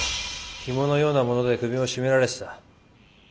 ひものようなもので首を絞められてた。